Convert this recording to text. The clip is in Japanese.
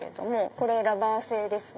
これラバー製ですね。